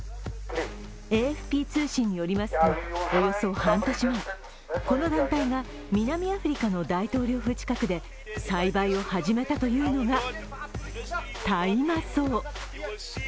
ＡＦＰ通信によりますとおよそ半年前、この団体が南アフリカの大統領府近くで栽培を始めたというのが、大麻草。